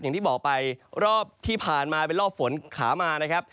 อย่างที่บอกไปรอบที่ผ่านมาเป็นรอบฝนขามานะครับ